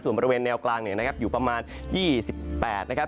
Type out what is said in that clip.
ส่วนบริเวณแนวกลางอยู่ประมาณ๒๘นะครับ